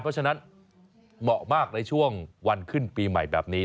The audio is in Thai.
เพราะฉะนั้นเหมาะมากในช่วงวันขึ้นปีใหม่แบบนี้